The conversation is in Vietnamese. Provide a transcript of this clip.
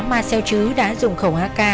mà xe chữ đã dùng khẩu ak